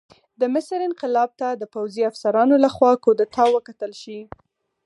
د مصر انقلاب ته د پوځي افسرانو لخوا کودتا وکتل شي.